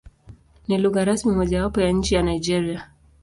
Ni lugha rasmi mojawapo ya nchi ya Nigeria.